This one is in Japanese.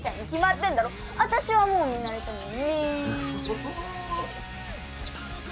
あたしはもう見慣れたもんね。